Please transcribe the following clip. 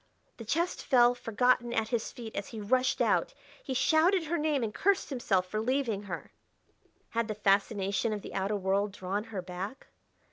The chest fell forgotten at his feet as he rushed out; he shouted her name and cursed himself for leaving her. Had the fascination of the outer world drawn her back?